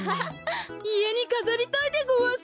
いえにかざりたいでごわす。